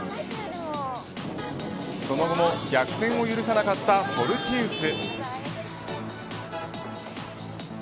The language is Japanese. その後も逆転を許さなかったフォルティウス。